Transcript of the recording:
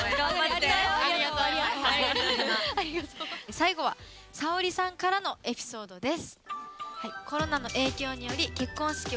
最後はＳａｏｒｉさんからのエピソードです。